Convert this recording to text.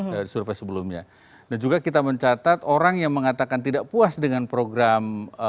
dan juga kita mencatat orang yang mengatakan tidak puas dengan program